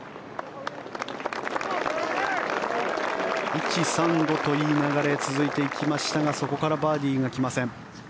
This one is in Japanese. １、３、５といい流れが続いていきましたがそこからバーディーが来ません。